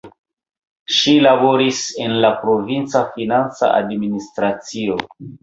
Ŝi laboris en la provinca financa administracio.